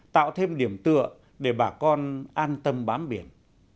tạo thêm điểm tựa để bà con an tâm bám biển